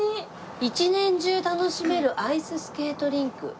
「１年中楽しめるアイススケートリンク」へえ。